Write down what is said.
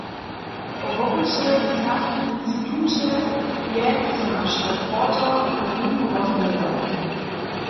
Po wopyće w Serbskim instituće je so naš reporter z nim rozmołwjał.